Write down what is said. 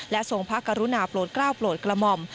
และทรงพกรุณาโปรดกล้าวโปรดกลมอม